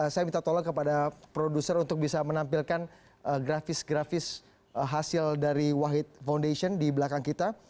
saya minta tolong kepada produser untuk bisa menampilkan grafis grafis hasil dari wahid foundation di belakang kita